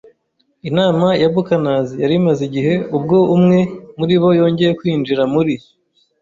Inama ya buccaneers yari imaze igihe, ubwo umwe muribo yongeye kwinjira muri